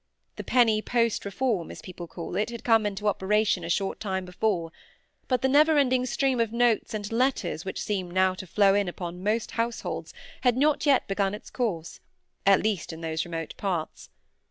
The penny post reform, as people call it, had come into operation a short time before; but the never ending stream of notes and letters which seem now to flow in upon most households had not yet begun its course; at least in those remote parts.